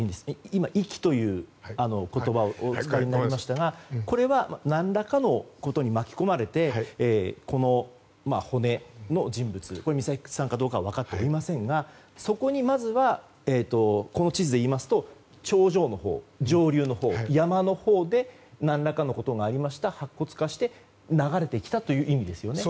今、遺棄という言葉をお使いになりましたがこれは何らかのことに巻き込まれてこの骨の人物美咲さんかどうかは分かっていませんがそこにまずこの地図で言いますと頂上のほう、上流のほう山のほうで何らかのことがありまして白骨化して流れてきたという意味ですよね。